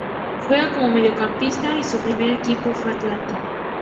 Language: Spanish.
Juega como mediocampista y su primer equipo fue Atlanta.